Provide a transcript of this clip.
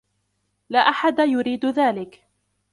لا أحد يريد ذلك.